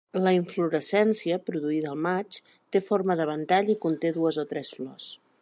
La inflorescència, produïda al maig, té forma de ventall i conté dues o tres flors.